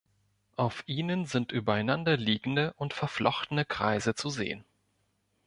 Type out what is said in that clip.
Auf ihnen sind übereinander liegende und verflochtene Kreise zu sehen.